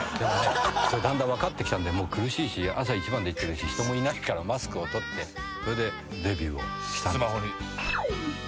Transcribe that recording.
「だんだん分かってきたんで苦しいし朝一番で行ってるし人もいないからマスクを取ってそれでデビューをしたんです」